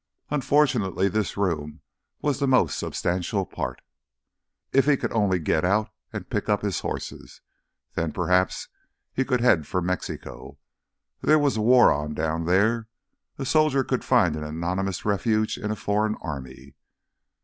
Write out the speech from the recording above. Unfortunately this room was the most substantial part. If he could only get out, and pick up his horses, then perhaps he could head for Mexico. There was a war on down there; a soldier could find an anonymous refuge in a foreign army.